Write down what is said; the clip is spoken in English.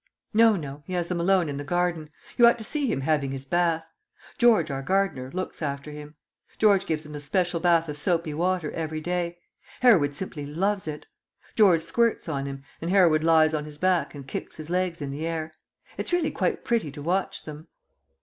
"No, no; he has them alone in the garden. You ought to see him having his bath. George, our gardener, looks after him. George gives him a special bath of soapy water every day. Hereward simply loves it. George squirts on him, and Hereward lies on his back and kicks his legs in the air. It's really quite pretty to watch them."